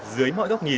dưới mọi góc nhìn